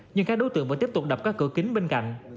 nhưng các đối tượng vẫn tiếp tục đập các cửa kính bên cạnh